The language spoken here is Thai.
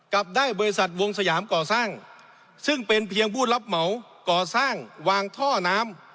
กลับได้บริษัทวงสยามก่อสร้างซึ่งเป็นเพียงผู้รับเหมาก่อสร้างวางท่อน้ำ